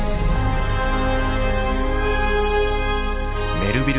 メルヴィル